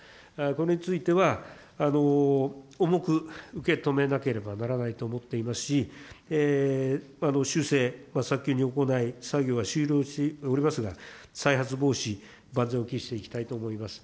これについては、重く受け止めなければならないと思っていますし、修正、早急に行い、作業は終了しておりますが、再発防止、万全を期していきたいと思います。